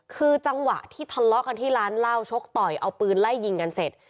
คือจังหวะที่ทะเลาะกันที่ร้านเหล้าชกต่อยเอาปืนไล่ยิงกันเสร็จ